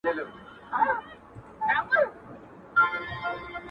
دا موږک چي ځانته ګرځي بې څه نه دی,